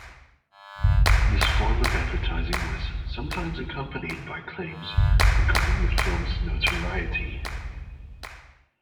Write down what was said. This form of advertising was sometimes accompanied by claims regarding the film's notoriety.